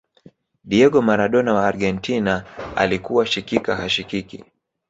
diego maradona wa argentina alikuwashikika hashikiki